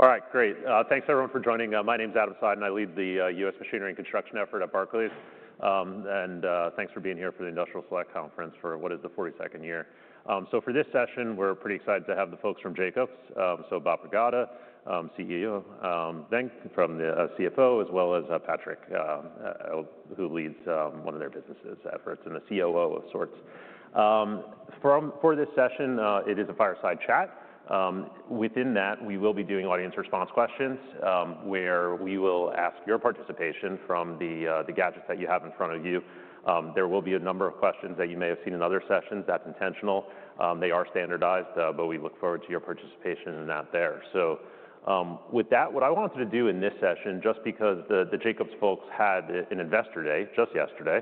All right, great. Thanks, everyone, for joining. My name's Adam Seiden. I lead the U.S. machinery and construction effort at Barclays, and thanks for being here for the Industrial Select Conference for what is the 42nd year, so for this session, we're pretty excited to have the folks from Jacobs, so Bob Pragada, CEO, then the CFO, as well as Patrick, who leads one of their businesses' efforts and the COO of sorts. For this session, it is a fireside chat. Within that, we will be doing audience response questions where we will ask your participation from the gadgets that you have in front of you. There will be a number of questions that you may have seen in other sessions. That's intentional. They are standardized, but we look forward to your participation in that there. So with that, what I wanted to do in this session, just because the Jacobs folks had an Investor Day just yesterday,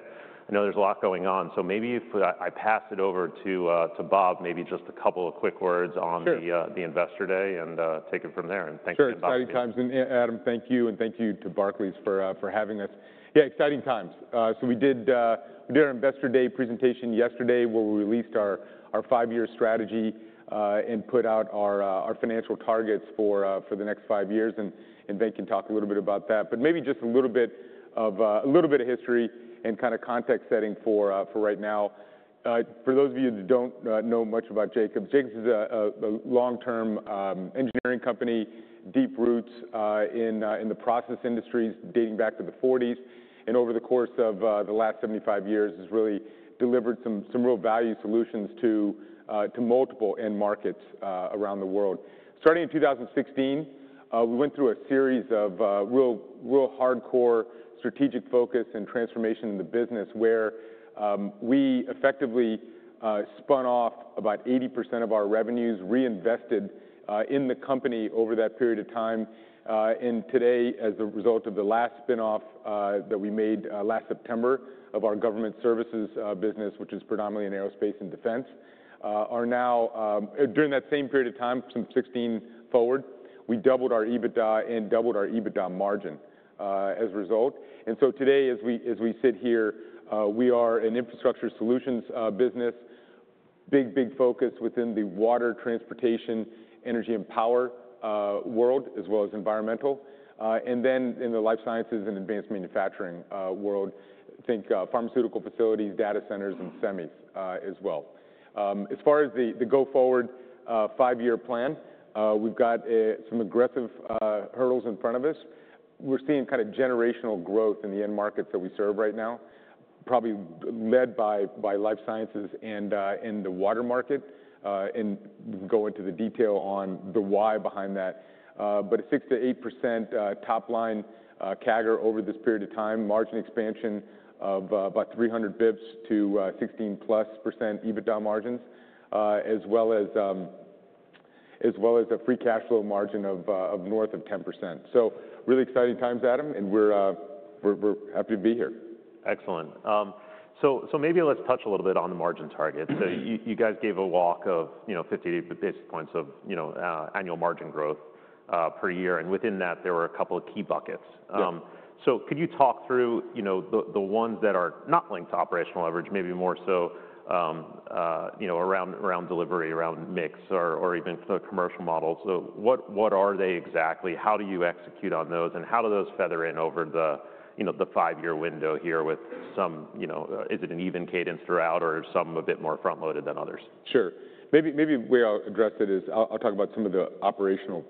I know there's a lot going on. So maybe if I pass it over to Bob, maybe just a couple of quick words on the Investor Day and take it from there. And thanks for. Sure. Exciting times. And Adam, thank you. And thank you to Barclays for having us. Yeah, exciting times. So we did our Investor Day presentation yesterday where we released our five-year strategy and put out our financial targets for the next five years. And then can talk a little bit about that. But maybe just a little bit of a little bit of history and kind of context setting for right now. For those of you who don't know much about Jacobs, Jacobs is a long-term engineering company, deep roots in the process industries dating back to the '40s. And over the course of the last 75 years, has really delivered some real value solutions to multiple end markets around the world. Starting in 2016, we went through a series of real hardcore strategic focus and transformation in the business where we effectively spun off about 80% of our revenues, reinvested in the company over that period of time. And today, as a result of the last spinoff that we made last September of our government services business, which is predominantly in aerospace and defense, are now during that same period of time, from 2016 forward, we doubled our EBITDA and doubled our EBITDA margin as a result. And so today, as we sit here, we are an infrastructure solutions business, big, big focus within the water, transportation, energy, and power world, as well as environmental. And then in the life sciences and advanced manufacturing world, I think pharmaceutical facilities, data centers, and semis as well. As far as the go forward five-year plan, we've got some aggressive hurdles in front of us. We're seeing kind of generational growth in the end markets that we serve right now, probably led by life sciences and in the water market, and we can go into the detail on the why behind that, but a 6%-8% top line CAGR over this period of time, margin expansion of about 300 basis points to 16%+ EBITDA margins, as well as a free cash flow margin of north of 10%, so really exciting times, Adam, and we're happy to be here. Excellent. So maybe let's touch a little bit on the margin targets. So you guys gave a walk of 50 basis points of annual margin growth per year. And within that, there were a couple of key buckets. So could you talk through the ones that are not linked to operational leverage, maybe more so around delivery, around mix, or even the commercial models? What are they exactly? How do you execute on those? And how do those factor in over the five-year window here with some? Is it an even cadence throughout or some a bit more front-loaded than others? Sure. Maybe the way I'll address it is I'll talk about some of the operational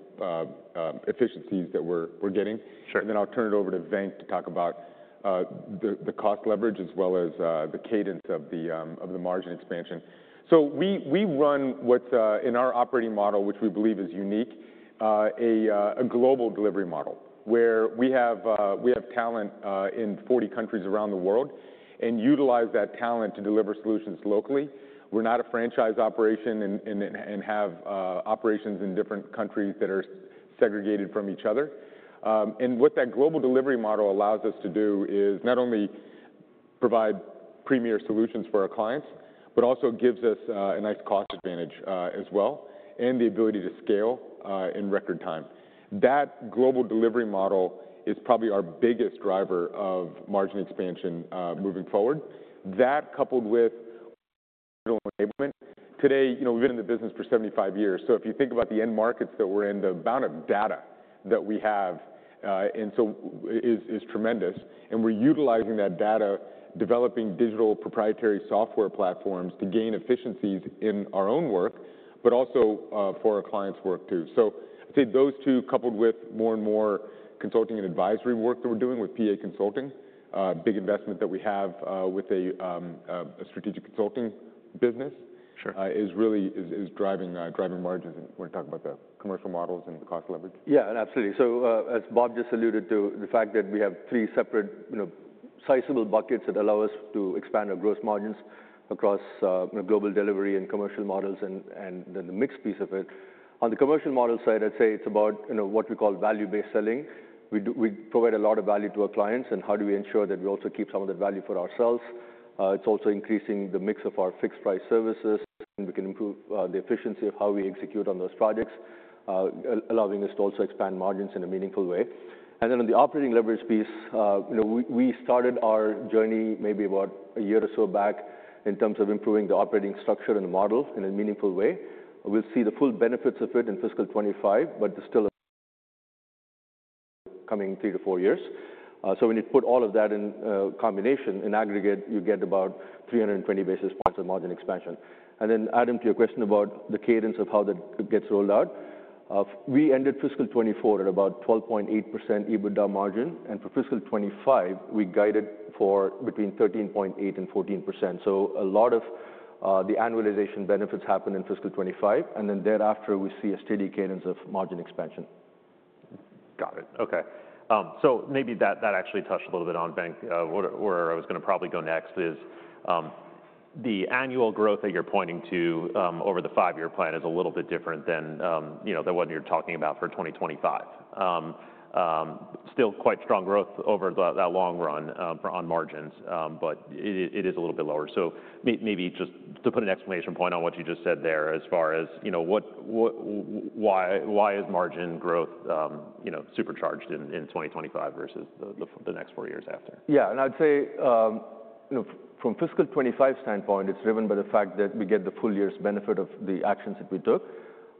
efficiencies that we're getting. And then I'll turn it over to Venk to talk about the cost leverage as well as the cadence of the margin expansion. So we run what's in our operating model, which we believe is unique, a global delivery model where we have talent in 40 countries around the world and utilize that talent to deliver solutions locally. We're not a franchise operation and have operations in different countries that are segregated from each other. And what that global delivery model allows us to do is not only provide premier solutions for our clients, but also gives us a nice cost advantage as well and the ability to scale in record time. That global delivery model is probably our biggest driver of margin expansion moving forward. That coupled with capital enablement. Today, we've been in the business for 75 years. So if you think about the end markets that we're in, the amount of data that we have and so is tremendous. And we're utilizing that data, developing digital proprietary software platforms to gain efficiencies in our own work, but also for our clients' work too. So I'd say those two coupled with more and more consulting and advisory work that we're doing with PA Consulting, a big investment that we have with a strategic consulting business, is really driving margins. And we're talking about the commercial models and the cost leverage. Yeah, absolutely. So as Bob just alluded to, the fact that we have three separate sizable buckets that allow us to expand our gross margins across global delivery and commercial models and then the mixed piece of it. On the commercial model side, I'd say it's about what we call value-based selling. We provide a lot of value to our clients. And how do we ensure that we also keep some of that value for ourselves? It's also increasing the mix of our fixed-price services. And we can improve the efficiency of how we execute on those projects, allowing us to also expand margins in a meaningful way. And then on the operating leverage piece, we started our journey maybe about a year or so back in terms of improving the operating structure and the model in a meaningful way. We'll see the full benefits of it in fiscal 2025, but there's still coming three to four years. So when you put all of that in combination, in aggregate, you get about 320 basis points of margin expansion. Then Adam, to your question about the cadence of how that gets rolled out, we ended fiscal 2024 at about 12.8% EBITDA margin. For fiscal 2025, we guided for between 13.8% and 14%. A lot of the annualization benefits happen in fiscal 2025. Thereafter, we see a steady cadence of margin expansion. Got it. Okay. So maybe that actually touched a little bit on Venk. Where I was going to probably go next is the annual growth that you're pointing to over the five-year plan is a little bit different than the one you're talking about for 2025. Still quite strong growth over that long run on margins, but it is a little bit lower. So maybe just to put an exclamation point on what you just said there as far as why is margin growth supercharged in 2025 versus the next four years after. Yeah. And I'd say from fiscal 2025 standpoint, it's driven by the fact that we get the full year's benefit of the actions that we took.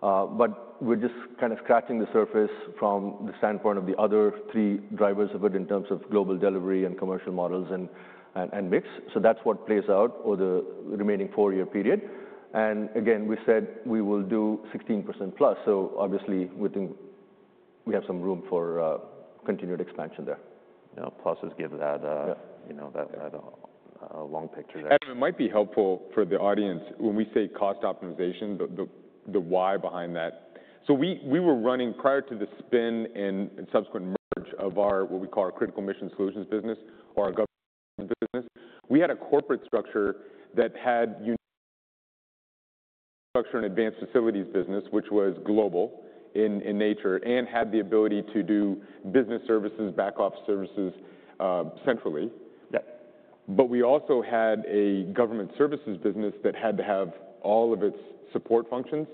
But we're just kind of scratching the surface from the standpoint of the other three drivers of it in terms of global delivery and commercial models and mix. So that's what plays out over the remaining four-year period. And again, we said we will do 16% plus. So obviously, we think we have some room for continued expansion there. Plus, just give that long picture. Adam, it might be helpful for the audience when we say cost optimization, the why behind that. So we were running prior to the spin and subsequent merge of what we call our Critical Mission Solutions business or our government business. We had a corporate structure that had structure and advanced facilities business, which was global in nature and had the ability to do business services, back office services centrally. But we also had a government services business that had to have all of its support functions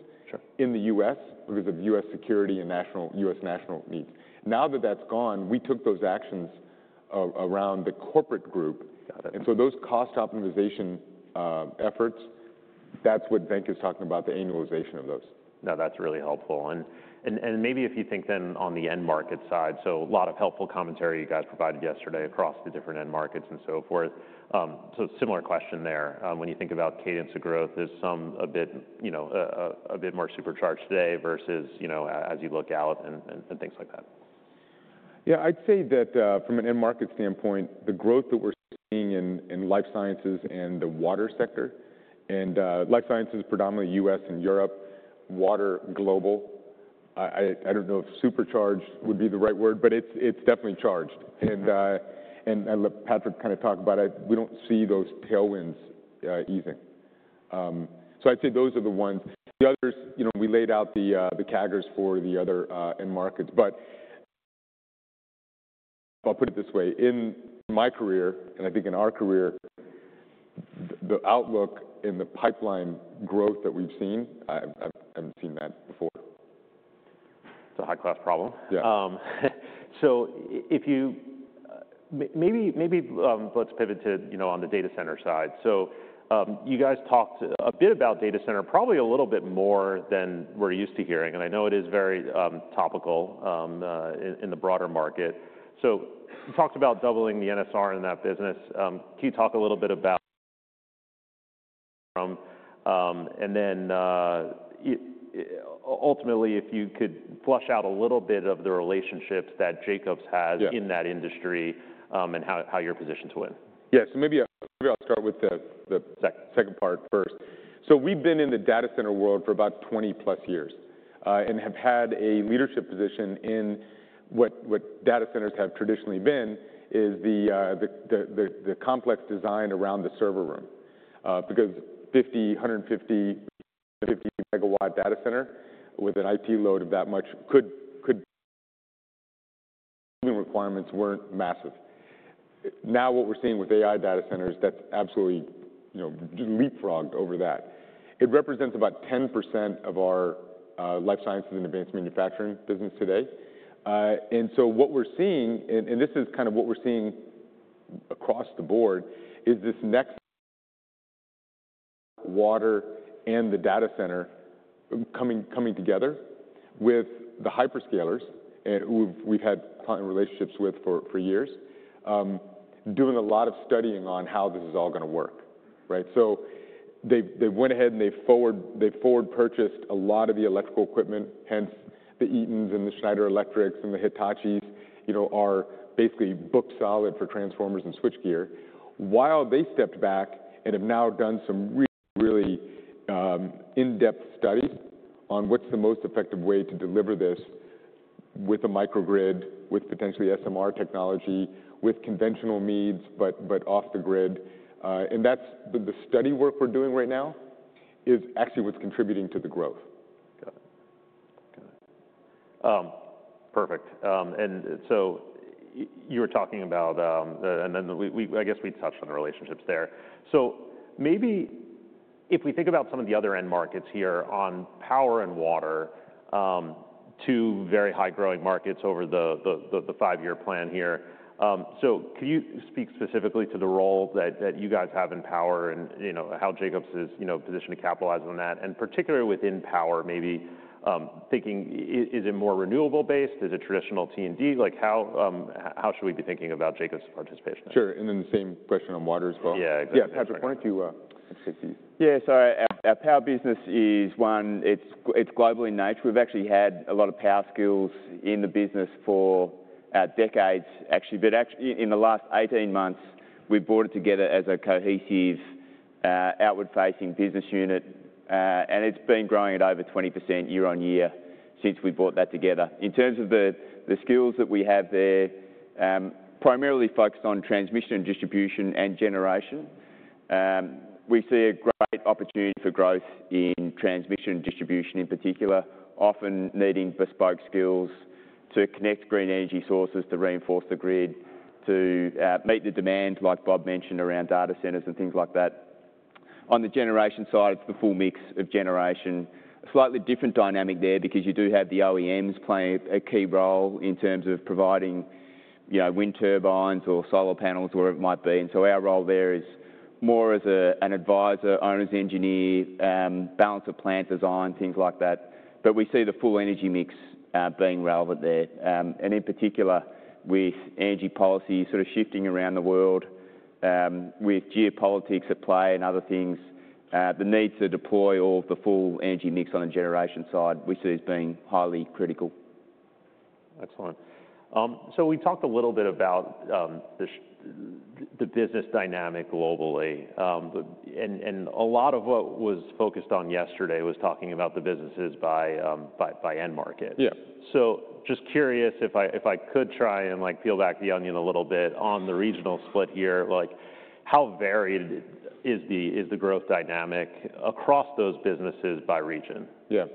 in the U.S. because of U.S. security and U.S. national needs. Now that that's gone, we took those actions around the corporate group. And so those cost optimization efforts, that's what Venk is talking about, the annualization of those. No, that's really helpful, and maybe if you think then on the end market side, so a lot of helpful commentary you guys provided yesterday across the different end markets and so forth. So similar question there. When you think about cadence of growth, is some a bit more supercharged today versus as you look out and things like that? Yeah, I'd say that from an end market standpoint, the growth that we're seeing in life sciences and the water sector, and life sciences predominantly U.S. and Europe, water global, I don't know if supercharged would be the right word, but it's definitely charged, and Patrick kind of talked about it. We don't see those tailwinds easing, so I'd say those are the ones. The others, we laid out the CAGRs for the other end markets, but I'll put it this way. In my career and I think in our career, the outlook in the pipeline growth that we've seen, I haven't seen that before. It's a high-class problem. So maybe let's pivot to the data center side. So you guys talked a bit about data center, probably a little bit more than we're used to hearing. And I know it is very topical in the broader market. So you talked about doubling the NSR in that business. Can you talk a little bit about and then ultimately, if you could flesh out a little bit of the relationships that Jacobs has in that industry and how you're positioned to win? Yeah. So maybe I'll start with the second part first. So we've been in the data center world for about 20 plus years and have had a leadership position in what data centers have traditionally been is the complex design around the server room. Because 150, 150 megawatt data center with an IT load of that much cooling requirements weren't massive. Now what we're seeing with AI data centers, that's absolutely leapfrogged over that. It represents about 10% of our life sciences and advanced manufacturing business today. And so what we're seeing, and this is kind of what we're seeing across the board, is this next wave and the data center coming together with the hyperscalers who we've had client relationships with for years, doing a lot of studying on how this is all going to work. They went ahead and they forward purchased a lot of the electrical equipment, hence the Eaton and the Schneider Electric and the Hitachi are basically booked solid for transformers and switchgear, while they stepped back and have now done some really in-depth studies on what's the most effective way to deliver this with a microgrid, with potentially SMR technology, with conventional needs, but off the grid, and that's the study work we're doing right now is actually what's contributing to the growth. Got it. Got it. Perfect. And so you were talking about, and then I guess we touched on the relationships there. So maybe if we think about some of the other end markets here on power and water, two very high-growing markets over the five-year plan here. So can you speak specifically to the role that you guys have in power and how Jacobs is positioned to capitalize on that? And particularly within power, maybe thinking, is it more renewable-based? Is it traditional T&D? How should we be thinking about Jacobs' participation? Sure. And then the same question on water as well. Yeah, exactly. Yeah, Patrick, why don't you take these. Yeah, so our power business is one; it's global in nature. We've actually had a lot of power skills in the business for decades, actually. But actually in the last 18 months, we brought it together as a cohesive outward-facing business unit, and it's been growing at over 20% year on year since we brought that together. In terms of the skills that we have there, primarily focused on transmission and distribution and generation, we see a great opportunity for growth in transmission and distribution in particular, often needing bespoke skills to connect green energy sources to reinforce the grid, to meet the demand, like Bob mentioned, around data centers and things like that. On the generation side, it's the full mix of generation. Slightly different dynamic there because you do have the OEMs playing a key role in terms of providing wind turbines or solar panels, whatever it might be. And so our role there is more as an advisor, owner's engineer, balance of plant design, things like that. But we see the full energy mix being relevant there. And in particular, with energy policy sort of shifting around the world, with geopolitics at play and other things, the need to deploy all of the full energy mix on the generation side we see as being highly critical. Excellent. So we talked a little bit about the business dynamic globally. And a lot of what was focused on yesterday was talking about the businesses by end market. So just curious if I could try and peel back the onion a little bit on the regional split here. How varied is the growth dynamic across those businesses by region? Yeah.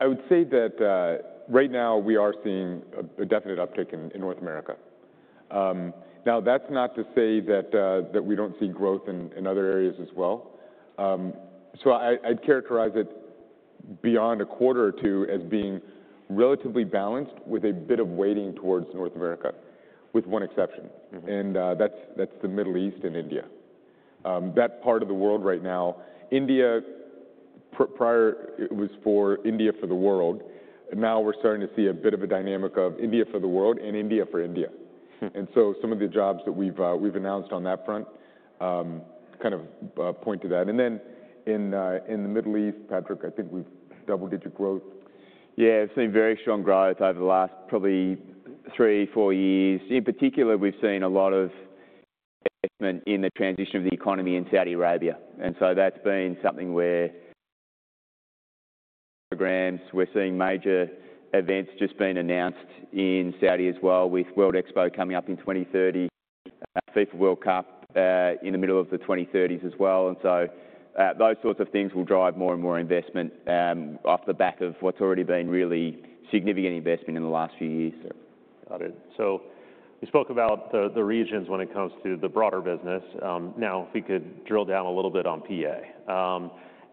I would say that right now we are seeing a definite uptick in North America. Now, that's not to say that we don't see growth in other areas as well. So I'd characterize it beyond a quarter or two as being relatively balanced with a bit of weighting towards North America, with one exception, and that's the Middle East and India. That part of the world right now, India, prior, it was India for the world. Now we're starting to see a bit of a dynamic of India for the world and India for India. And so some of the jobs that we've announced on that front kind of point to that, and then in the Middle East, Patrick, I think we've double-digit growth. Yeah, it's been very strong growth over the last probably three, four years. In particular, we've seen a lot of investment in the transition of the economy in Saudi Arabia. And so that's been something where, programs, we're seeing major events just being announced in Saudi as well with World Expo coming up in 2030, FIFA World Cup in the middle of the 2030s as well. And so those sorts of things will drive more and more investment off the back of what's already been really significant investment in the last few years. Got it. So you spoke about the regions when it comes to the broader business. Now, if we could drill down a little bit on PA.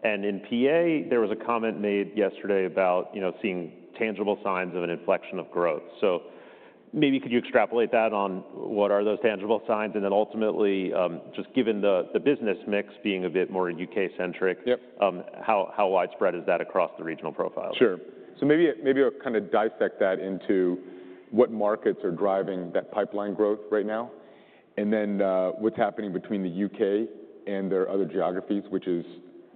And in PA, there was a comment made yesterday about seeing tangible signs of an inflection of growth. So maybe could you extrapolate that on what are those tangible signs? And then ultimately, just given the business mix being a bit more U.K.-centric, how widespread is that across the regional profile? Sure, so maybe I'll kind of dissect that into what markets are driving that pipeline growth right now, and then what's happening between the U.K. and their other geographies, which is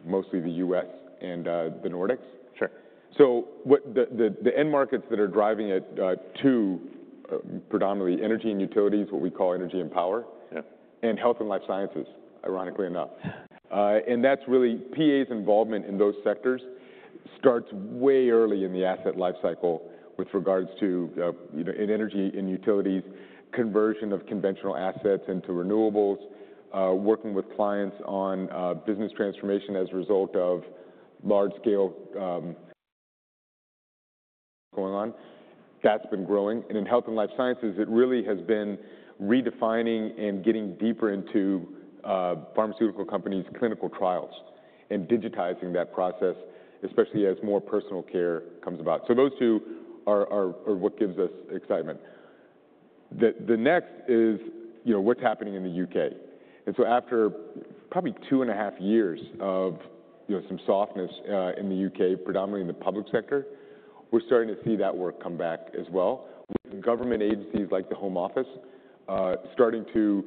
mostly the U.S. and the Nordics, so the end markets that are driving it to predominantly energy and utilities, what we call energy and power, and health and life sciences, ironically enough, and that's really PA's involvement in those sectors starts way early in the asset lifecycle with regards to in energy and utilities, conversion of conventional assets into renewables, working with clients on business transformation as a result of large-scale going on. That's been growing, and in health and life sciences, it really has been redefining and getting deeper into pharmaceutical companies' clinical trials and digitizing that process, especially as more personal care comes about, so those two are what gives us excitement. The next is what's happening in the U.K. And so after probably two and a half years of some softness in the U.K., predominantly in the public sector, we're starting to see that work come back as well. With government agencies like the Home Office starting to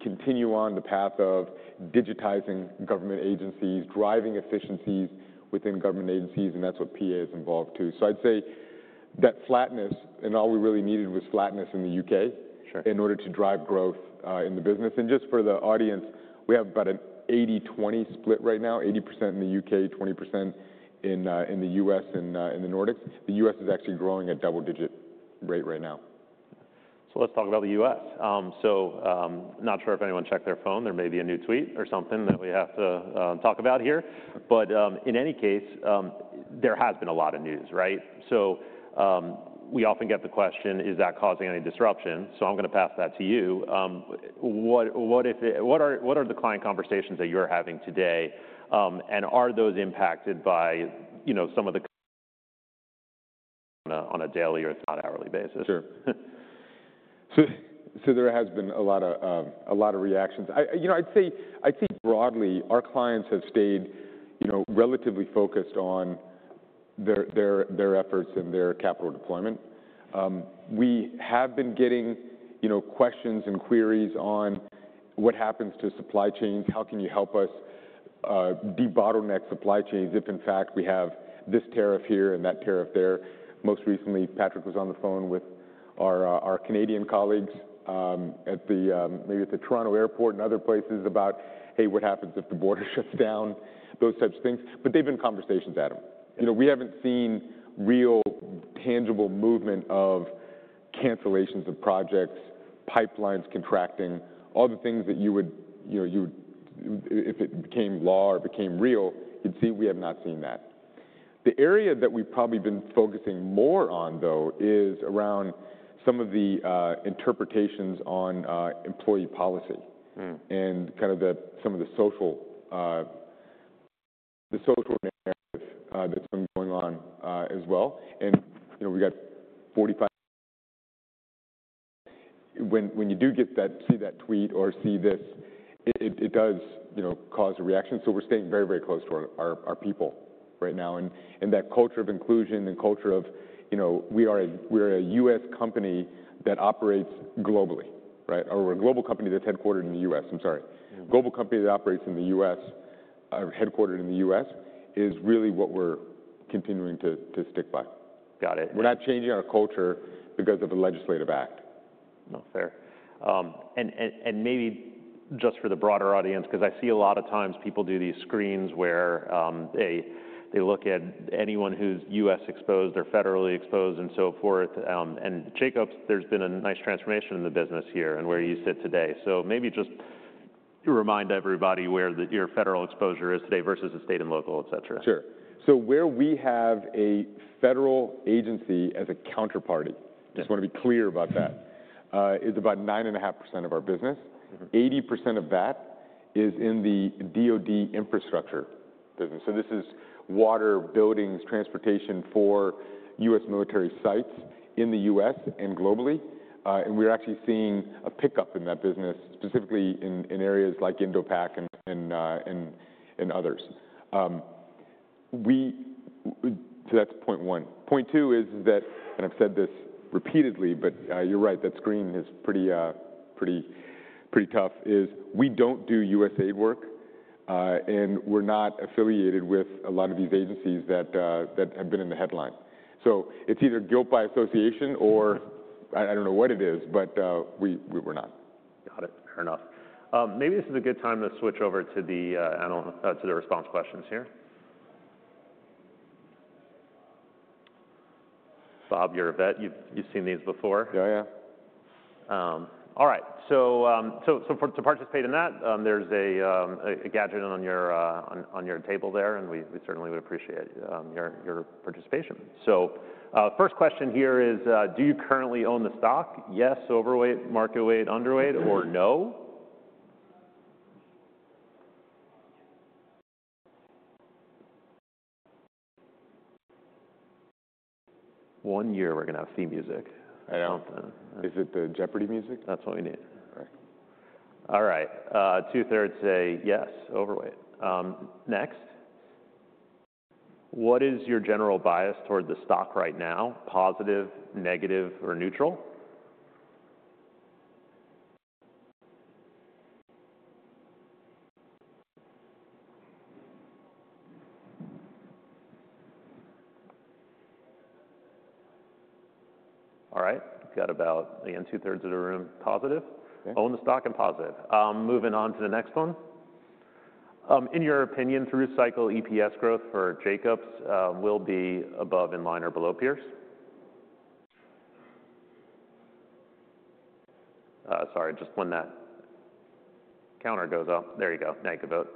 continue on the path of digitizing government agencies, driving efficiencies within government agencies, and that's what PA is involved too. So I'd say that flatness, and all we really needed was flatness in the U.K. in order to drive growth in the business. And just for the audience, we have about an 80-20 split right now, 80% in the U.K., 20% in the U.S. and in the Nordics. The U.S. is actually growing at double-digit rate right now. So let's talk about the U.S. So not sure if anyone checked their phone. There may be a new tweet or something that we have to talk about here. But in any case, there has been a lot of news, right? So we often get the question, is that causing any disruption? So I'm going to pass that to you. What are the client conversations that you're having today? And are those impacted by some of the on a daily or not hourly basis? Sure. So there has been a lot of reactions. I'd say broadly, our clients have stayed relatively focused on their efforts and their capital deployment. We have been getting questions and queries on what happens to supply chains. How can you help us debottleneck supply chains if in fact we have this tariff here and that tariff there? Most recently, Patrick was on the phone with our Canadian colleagues maybe at the Toronto Airport and other places about, hey, what happens if the border shuts down, those types of things. But they've been conversations, Adam. We haven't seen real tangible movement of cancellations of projects, pipelines contracting, all the things that you would, if it became law or became real, you'd see. We have not seen that. The area that we've probably been focusing more on, though, is around some of the interpretations on employee policy and kind of some of the social narrative that's been going on as well. And we got 45. When you do see that tweet or see this, it does cause a reaction. So we're staying very, very close to our people right now. And that culture of inclusion and culture of we are a U.S. company that operates globally, or we're a global company that's headquartered in the U.S. I'm sorry. Global company that operates in the U.S., headquartered in the U.S., is really what we're continuing to stick by. Got it. We're not changing our culture because of a legislative act. Not fair. And maybe just for the broader audience, because I see a lot of times people do these screens where they look at anyone who's U.S. exposed or federally exposed and so forth. And Jacobs, there's been a nice transformation in the business here and where you sit today. So maybe just remind everybody where your federal exposure is today versus the state and local, etc. Sure. So where we have a federal agency as a counterparty, just want to be clear about that, is about 9.5% of our business. 80% of that is in the DOD infrastructure business. So this is water, buildings, transportation for U.S. military sites in the U.S. and globally. And we're actually seeing a pickup in that business, specifically in areas like IndoPac and others. So that's point one. Point two is that, and I've said this repeatedly, but you're right, that screen is pretty tough, is we don't do USAID work and we're not affiliated with a lot of these agencies that have been in the headline. So it's either guilt by association or I don't know what it is, but we were not. Got it. Fair enough. Maybe this is a good time to switch over to the response questions here. Bob, you're a vet. You've seen these before. Oh, yeah. All right. So to participate in that, there's a gadget on your table there, and we certainly would appreciate your participation. So first question here is, do you currently own the stock? Yes, overweight, market weight, underweight, or no? One year, we're going to have theme music. I don't. Is it the Jeopardy music? That's what we need. All right. Two-thirds say yes, overweight. Next. What is your general bias toward the stock right now? Positive, negative, or neutral? All right. We've got about, again, two-thirds of the room positive. Own the stock and positive. Moving on to the next one. In your opinion, through cycle, EPS growth for Jacobs will be above in line or below peers? Sorry, just when that counter goes up. There you go. Now you can vote.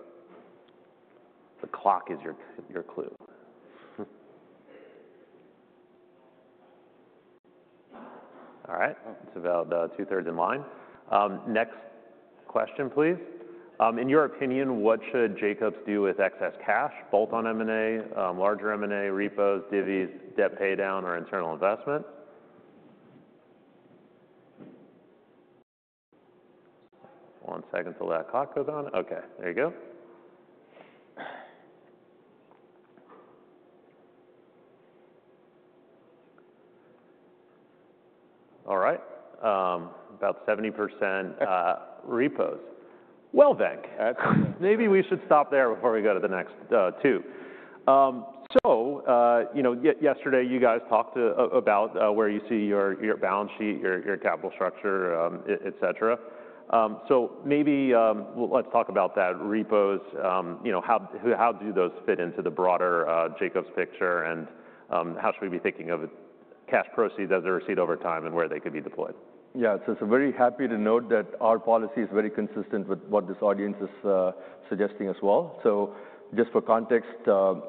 The clock is your clue. All right. It's about two-thirds in line. Next question, please. In your opinion, what should Jacobs do with excess cash, bolt-on M&A, larger M&A, repos, divvies, debt paydown, or internal investment? One second till that clock goes on. Okay. There you go. All right. About 70% repos. Well, Venk, maybe we should stop there before we go to the next two. So yesterday, you guys talked about where you see your balance sheet, your capital structure, etc. So maybe let's talk about that, repos. How do those fit into the broader Jacobs picture and how should we be thinking of cash proceeds as they're received over time and where they could be deployed? Yeah. So we're very happy to note that our policy is very consistent with what this audience is suggesting as well. So just for context,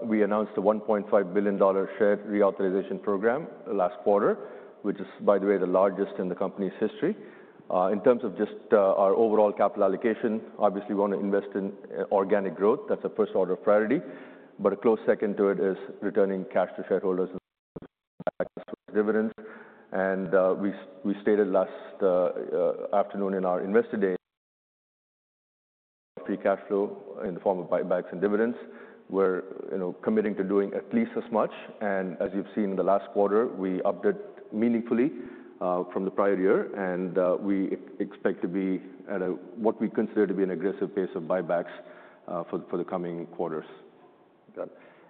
we announced a $1.5 billion share repurchase authorization program last quarter, which is, by the way, the largest in the company's history. In terms of just our overall capital allocation, obviously, we want to invest in organic growth. That's a first-order priority. But a close second to it is returning cash to shareholders and dividends. And we stated last afternoon in our investor day free cash flow in the form of buybacks and dividends. We're committing to doing at least as much. And as you've seen in the last quarter, we upped it meaningfully from the prior year. And we expect to be at what we consider to be an aggressive pace of buybacks for the coming quarters.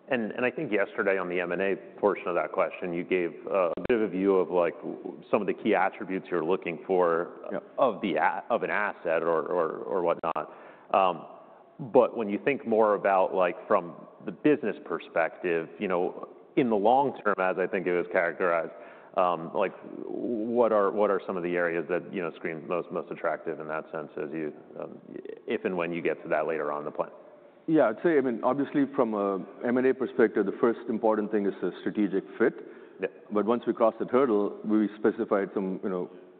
And I think yesterday on the M&A portion of that question, you gave a bit of a view of some of the key attributes you're looking for of an asset or whatnot. But when you think more about from the business perspective, in the long term, as I think it was characterized, what are some of the areas that scream most attractive in that sense as you if and when you get to that later on in the plan? Yeah. I'd say, I mean, obviously, from an M&A perspective, the first important thing is the strategic fit. But once we crossed the hurdle, we specified some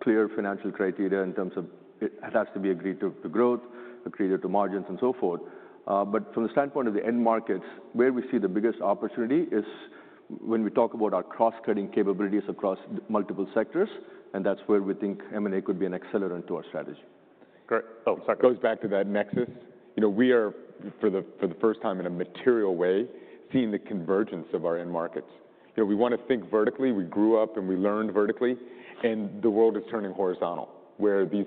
clear financial criteria in terms of it has to be accretive to growth, accretive to margins, and so forth. But from the standpoint of the end markets, where we see the biggest opportunity is when we talk about our cross-cutting capabilities across multiple sectors. And that's where we think M&A could be an accelerant to our strategy. Great. Oh, sorry. Goes back to that nexus. We are, for the first time in a material way, seeing the convergence of our end markets. We want to think vertically. We grew up and we learned vertically. And the world is turning horizontal, where these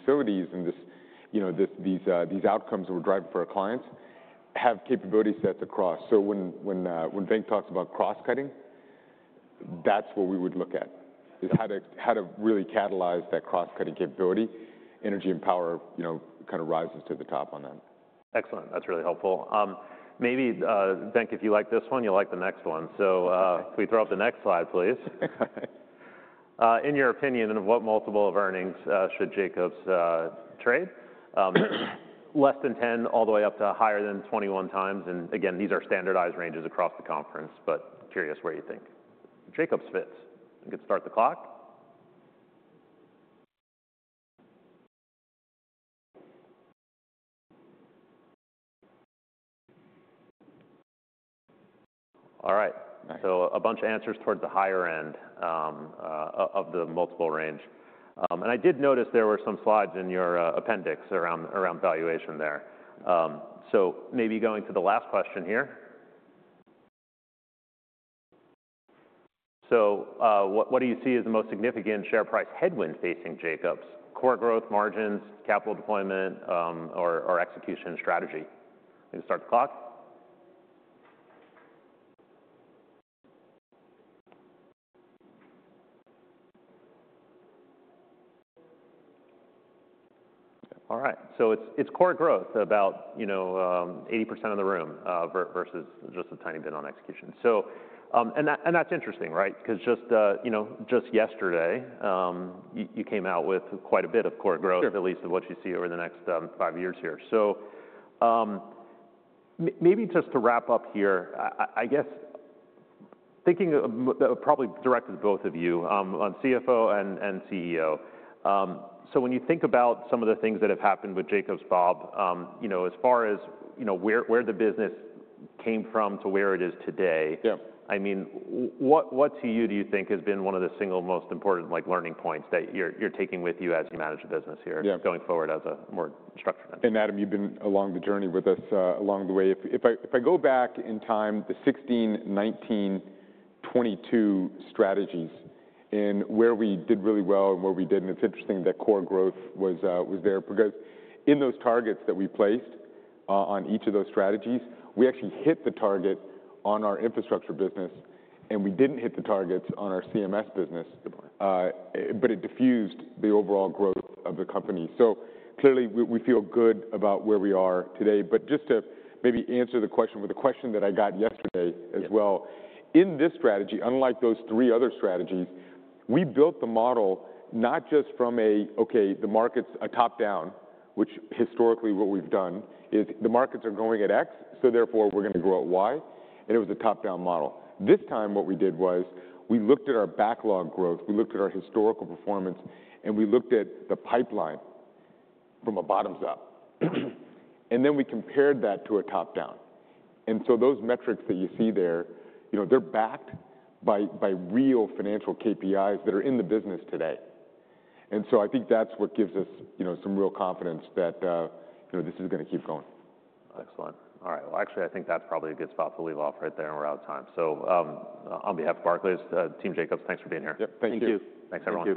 facilities and these outcomes that we're driving for our clients have capability sets across. So when Venk talks about cross-cutting, that's what we would look at, is how to really catalyze that cross-cutting capability. Energy and power kind of rises to the top on that. Excellent. That's really helpful. Maybe, Venk, if you like this one, you'll like the next one. So can we throw up the next slide, please? In your opinion, of what multiple of earnings should Jacobs trade? Less than 10, all the way up to higher than 21 times. And again, these are standardized ranges across the conference, but curious where you think Jacobs fits. I think it's start the clock. All right. So a bunch of answers towards the higher end of the multiple range. And I did notice there were some slides in your appendix around valuation there. So maybe going to the last question here. So what do you see as the most significant share price headwind facing Jacobs? Core growth, margins, capital deployment, or execution strategy? You can start the clock. All right. It's core growth, about 80% of the room versus just a tiny bit on execution. And that's interesting, right? Because just yesterday, you came out with quite a bit of core growth, at least of what you see over the next five years here. Maybe just to wrap up here, I guess thinking probably directed to both of you on CFO and CEO. When you think about some of the things that have happened with Jacobs, Bob, as far as where the business came from to where it is today, I mean, what do you think has been one of the single most important learning points that you're taking with you as you manage the business here going forward as a more structured vendor? And Adam, you've been along the journey with us along the way. If I go back in time, the 2016, 2019, 2022 strategies and where we did really well and where we didn't, it's interesting that core growth was there because in those targets that we placed on each of those strategies, we actually hit the target on our infrastructure business, and we didn't hit the targets on our CMS business, but it diffused the overall growth of the company. So clearly, we feel good about where we are today. But just to maybe answer the question with a question that I got yesterday as well. In this strategy, unlike those three other strategies, we built the model not just from a, okay, the markets are top down, which historically what we've done is the markets are going at X, so therefore we're going to grow at Y. And it was a top down model. This time, what we did was we looked at our backlog growth, we looked at our historical performance, and we looked at the pipeline from a bottoms up. And then we compared that to a top down. And so those metrics that you see there, they're backed by real financial KPIs that are in the business today. And so I think that's what gives us some real confidence that this is going to keep going. Excellent. All right. Well, actually, I think that's probably a good spot to leave off right there, and we're out of time. So on behalf of Barclays, Team Jacobs, thanks for being here. Yep. Thank you. Thank you. Thanks everyone.